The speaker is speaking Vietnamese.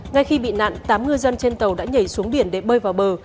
ngay khi bị nạn tám ngư dân trên tàu đã nhảy xuống biển để bơi vào bờ